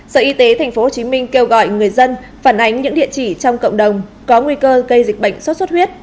sở y tế tp hcm kêu gọi người dân phản ánh những địa chỉ trong cộng đồng có nguy cơ gây dịch bệnh sốt xuất huyết